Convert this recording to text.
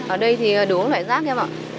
ở đây thì đúng loại rác em ạ